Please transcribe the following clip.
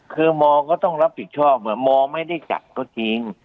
คือมอก็ต้องรับผิดชอบมไม่ได้จับก็จริง